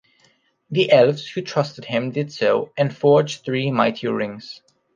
The Elves, who trusted him, did so, and forged three mighty rings.